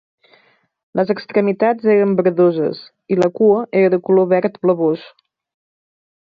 Les extremitats eren verdoses, i la cua era de color verd blavós.